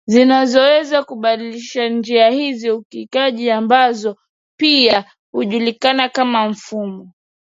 zinavyoweza kubadilisha njia hizi Uridhikaji wa sakitiambayo pia hujulikana kama mfumo